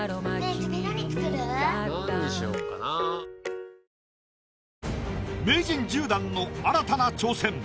ニトリ名人１０段の新たな挑戦。